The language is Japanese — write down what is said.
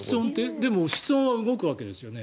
でも室温は動くわけですよね。